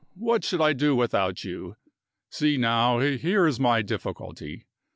What should I do without you? See now; here is my difficulty.